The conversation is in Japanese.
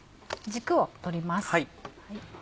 軸を取ります。